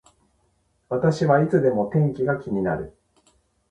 私はいつでも天気が気になる